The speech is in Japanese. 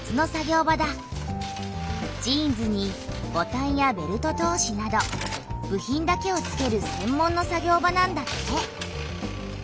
ジーンズにボタンやベルト通しなど部品だけをつける専門の作業場なんだって。